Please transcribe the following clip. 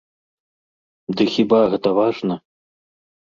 Ды хіба гэта важна?